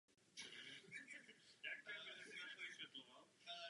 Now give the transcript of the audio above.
Vyskytuje se v tropech celého světa.